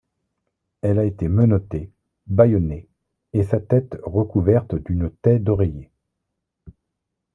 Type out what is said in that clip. Elle a été menottée, bâillonnée et sa tête recouverte d'une taie d'oreiller.